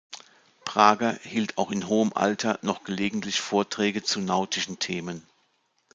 Prager hielt auch in hohem Alter noch gelegentlich Vorträge zu nautischen Themen.